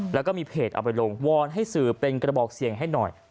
แล้วก็มีเพจเอาไปลงวอนให้สื่อเป็นกระบอกเสียงให้หน่อย